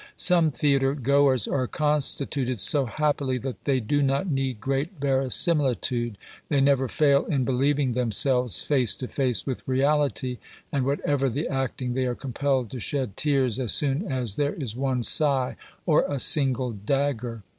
Some theatre goers are constituted so happily that they do not need great verisimilitude ; they never fail in believ ing themselves face to face with reality, and, whatever the acting, they are compelled to shed tears as soon as there is one sigh or a single dagger.